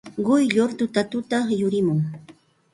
Quyllur tutatuta yurimun.